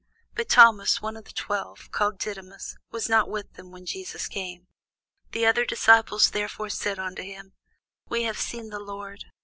But Thomas, one of the twelve, called Didymus, was not with them when Jesus came. The other disciples therefore said unto him, We have seen the Lord.